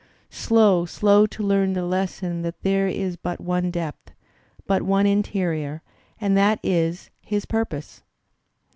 "Slow, slow to learn the lesson that there is but one depth, but one interior, and that is — his purpose.